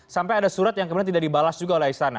sampai ada surat yang kemudian tidak dibalas juga oleh istana